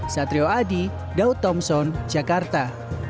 satrio adi daud thompson jakarta